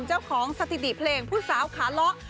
เจ้าของสติติเพลงผู้สาวขาเลาะ